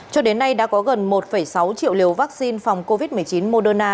cho đến nay đã có gần một sáu triệu liều vaccine phòng covid một mươi chín moderna